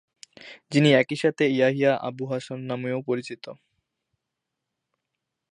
যিনি একই সাথে ইয়াহিয়া আবু হাসান নামেও পরিচিত।